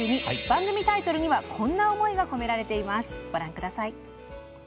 番組タイトルにはこんな思いが込められています。